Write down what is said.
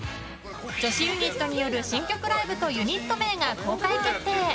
女子ユニットによる新曲ライブとユニット名が公開決定。